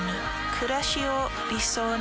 くらしを理想に。